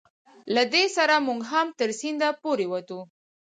له دې سره موږ هم تر سیند پورې وتو.